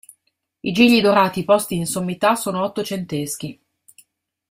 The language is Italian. I gigli dorati posti in sommità sono ottocenteschi.